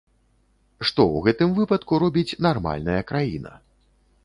Што ў гэтым выпадку робіць нармальная краіна?